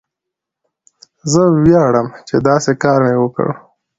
زه ویاړم چې داسې کار مې وکړ.